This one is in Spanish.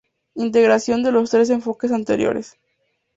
Integración de los tres enfoques anteriores.